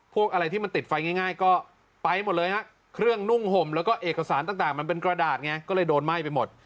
พวกอะไรที่มันติดไฟง่ายก็ไปหมดเลยฮะเครื่องนุ่งห่มแล้วก็เอกสารต่างมันเป็นกระดาษไงก็เลยโดนไหม้ไปหมด